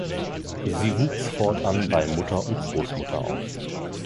Sie wuchs fortan bei Mutter und Großmutter auf.